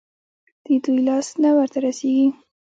د دوى لاس نه ورته رسېږي.